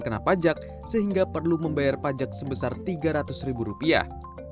kena pajak sehingga perlu membayar pajak sebesar tiga ratus ribu rupiah